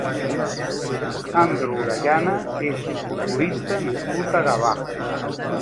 Jandro Orellana és un futbolista nascut a Gavà.